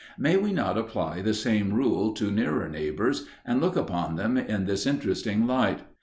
May we not apply the same rule to nearer neighbours and look upon them in this interesting light?